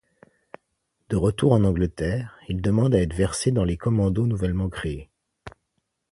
De retour en Angleterre, il demande à être versé dans les commandos nouvellement créés.